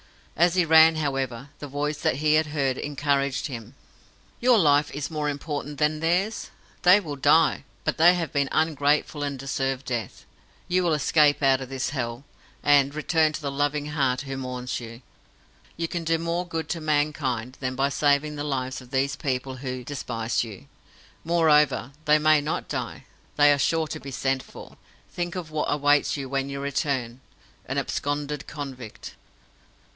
As he ran, however, the voice that he had heard encouraged him. "Your life is of more importance than theirs. They will die, but they have been ungrateful and deserve death. You will escape out of this Hell, and return to the loving heart who mourns you. You can do more good to mankind than by saving the lives of these people who despise you. Moreover, they may not die. They are sure to be sent for. Think of what awaits you when you return an absconded convict!"